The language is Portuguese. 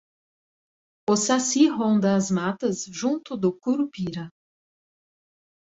O saci ronda as matas junto do curupira